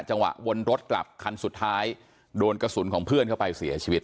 วนรถกลับคันสุดท้ายโดนกระสุนของเพื่อนเข้าไปเสียชีวิต